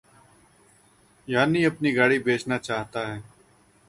Yanni अपनी गाड़ी बेचना चाहता है।